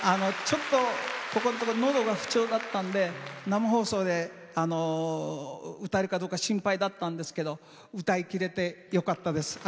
このところのどが不調だったので生放送で歌えるかどうか心配だったんですけれども歌いきれてよかったです。